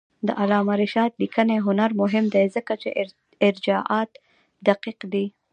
د علامه رشاد لیکنی هنر مهم دی ځکه چې ارجاعات دقیق دي.